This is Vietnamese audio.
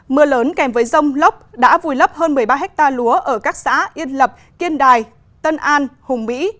mưa lớn kèm với rông lốc đã vùi lấp hơn một mươi ba hectare lúa ở các xã yên lập kiên đài tân an hùng mỹ